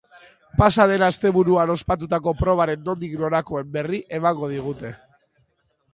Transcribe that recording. Pasa den asteburuan ospatutako probaren nondik norakoen berri emango digute.